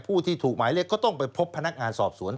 ผู้ที่ถูกหมายเรียกก็ต้องไปพบพนักงานสอบสวน